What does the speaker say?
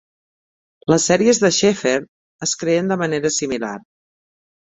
Les sèries de Sheffer es creen de manera similar.